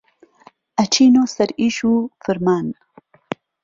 ئەچینۆ سەر ئیش و فرمان